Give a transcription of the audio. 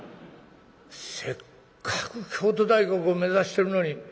せっかく京都大学を目指してるのに。